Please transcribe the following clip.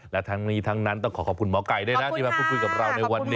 และทั้งนี้ทั้งนั้นต้องขอขอบคุณหมอไก่ด้วยนะที่มาพูดคุยกับเราในวันนี้